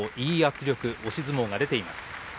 いい圧力、押し相撲が出ています。